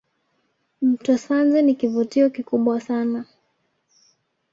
Mto Sanje ni kivutio kikubwa sana